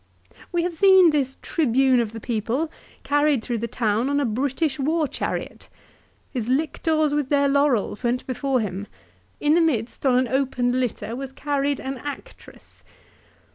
" We have seen this Tribune of the people carried through the town on a British war chariot. His lictors with their laurels went before him. In the midst on an open litter, was carried an actress."